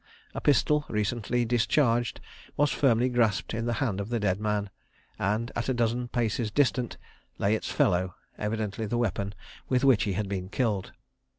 A pistol, recently discharged, was firmly grasped in the hand of the dead man; and at a dozen paces distant lay its fellow, evidently the weapon with which he had been killed.